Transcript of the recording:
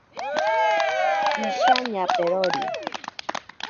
Isha ñaperori.